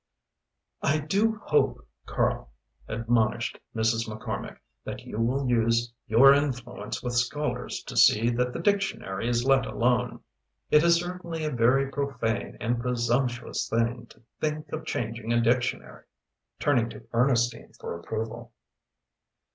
"I do hope, Karl," admonished Mrs. McCormick, "that you will use your influence with scholars to see that the dictionary is let alone. It is certainly a very profane and presumptuous thing to think of changing a dictionary," turning to Ernestine for approval.